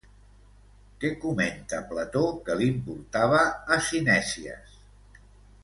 Què comenta Plató que l'importava a Cinèsies?